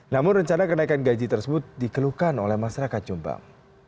namun rencana kenaikan gaji tersebut dikeluhkan oleh masyarakat jombang